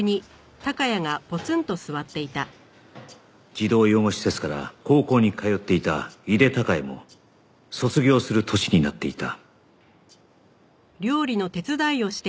児童養護施設から高校に通っていた井手孝也も卒業する年になっていた